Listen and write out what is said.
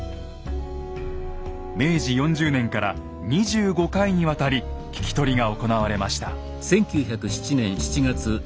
明治４０年から２５回にわたり聞き取りが行われました。